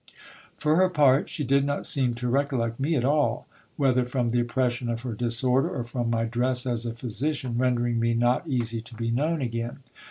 For her part, she did not seem to recollect me at all, whether from the oppression of her disorder, or from my dress as a physician rendering me not easy to be known again.